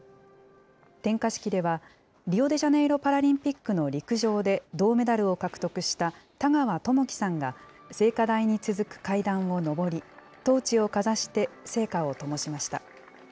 点火式では、リオデジャネイロパラリンピックの陸上で銅メダルを獲得した多川知希さんが聖火台に続く階段を上り、トーチをかざして聖火をともしました。